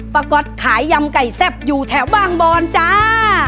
ก๊อตขายยำไก่แซ่บอยู่แถวบางบอนจ้า